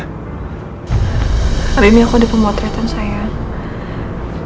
hari ini aku ada pemotretan sayang